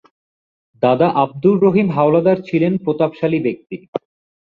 দাদা আব্দুর রহিম হাওলাদার ছিলেন প্রতাপশালী ব্যক্তি।